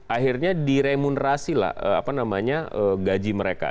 akhirnya diremunerasilah gaji mereka